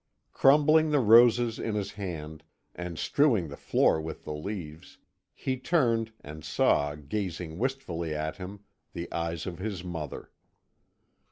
Crumbling the roses in his hand, and strewing the floor with the leaves, he turned, and saw, gazing wistfully at him, the eyes of his mother.